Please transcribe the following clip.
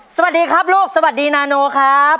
สวัสดีครับลูกสวัสดีนาโนครับ